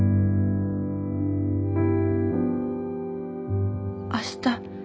心の声明日